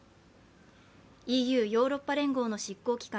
ＥＵ＝ヨーロッパ連合の執行機関